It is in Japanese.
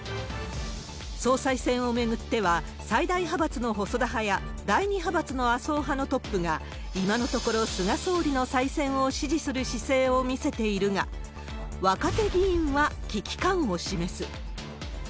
総裁選を巡っては、最大派閥の細田派や、第２派閥の麻生派のトップが今のところ、菅総理の再選を支持する姿勢を見せているが、若手議員は危機感を示す。